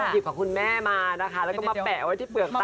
หยิบของคุณแม่มานะคะแล้วก็มาแปะไว้ที่เปลือกต่อ